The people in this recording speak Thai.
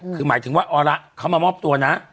คือหมายถึงว่าเอาละเขามามอบตัวนะ